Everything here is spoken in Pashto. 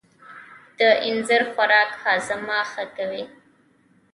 د اینځر خوراک هاضمه ښه کوي.